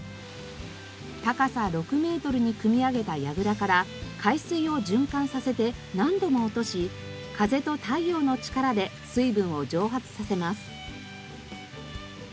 高さ６メートルに組み上げたやぐらから海水を循環させて何度も落とし風と太陽の力で水分を蒸発させます。